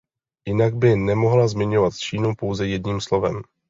Jinak by nemohla zmiňovat Čínu pouze jedním slovem.